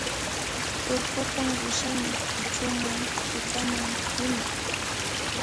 Urqutan rishani ichhuman t'ikaman ima